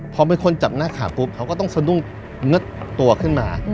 พอมีคนจับหน้าขาปุ๊บเขาก็ต้องสะดุ้งเง็ดตัวขึ้นมา